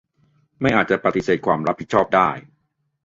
ไม่อาจจะปฏิเสธความรับผิดชอบได้